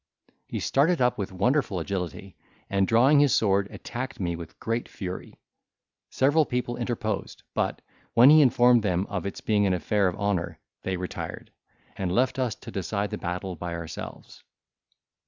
He started up with wonderful agility, and, drawing his sword, attacked me with great fury. Several people interposed, but, when he informed them of its being an affair of honour, they retired, and left us to decide the battle by ourselves.